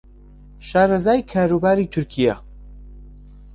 شارەزای کاروباری تورکیا